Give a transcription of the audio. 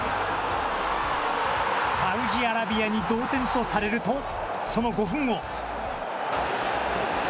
サウジアラビアに同点とされると、その５分後。